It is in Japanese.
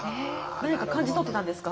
何か感じ取ってたんですか？